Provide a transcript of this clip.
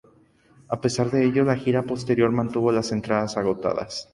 A pesar de ello, la gira posterior mantuvo las entradas agotadas.